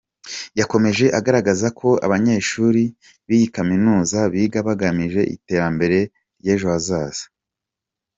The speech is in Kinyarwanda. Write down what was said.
Yakomeje agaragaza ko abanyeshuri b’iyi Kaminuza biga bagamije iterambere ry’ejo hazaza.